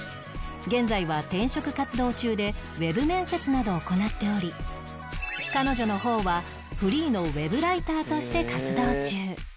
現在は転職活動中でウェブ面接などを行っており彼女の方はフリーのウェブライターとして活動中